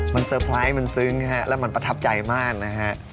มันสะพร้ายมันซึ้งฮะและมันประทับใจมากนะฮะ